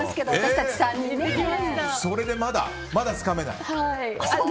それで、まだつかめない？